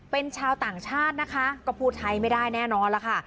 เป็นชาวต่างชาตินะคะก็พูดไทยไม่ได้แน่นอนล่ะค่ะ